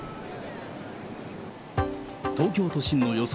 東京都心の予想